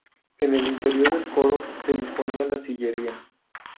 En el interior del coro se disponía la sillería.